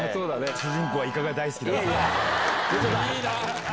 主人公はイカが大好きだって。